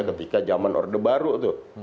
ketika zaman ordebaru itu